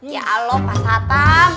ya aloh pak satam